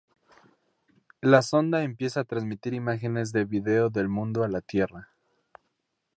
La sonda empieza a transmitir imágenes de vídeo del mundo a la Tierra.